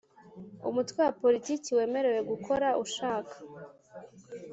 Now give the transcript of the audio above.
Umutwe wa Politiki wemerewe gukora ushaka